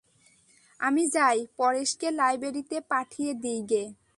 আমি যাই, পরেশকে লাইব্রেরিতে পাঠিয়ে দিই গে।